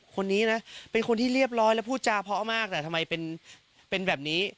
คนนี้นะเป็นคนที่เรียบร้อยแล้วพูดจาเพาะมากแต่ทำไมเป็นแบบนี้